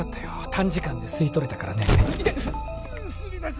短時間で吸い取れたからねイテッすみません